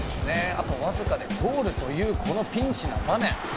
あとわずかでゴールというこのピンチの場面。